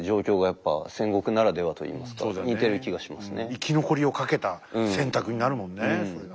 生き残りを懸けた選択になるもんねそれがね。